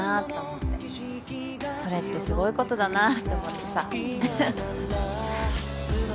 それってすごい事だなと思ってさ。